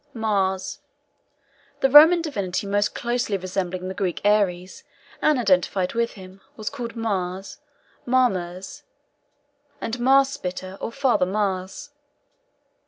MARS. The Roman divinity most closely resembling the Greek Ares, and identified with him, was called Mars, Mamers, and Marspiter or Father Mars.